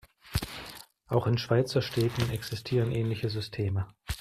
Auch in Schweizer Städten existieren ähnliche Systeme.